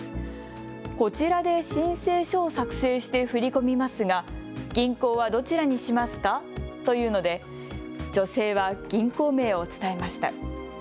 こちらで申請書を作成して振り込みますが、銀行はどちらにしますか？と言うので女性は銀行名を伝えました。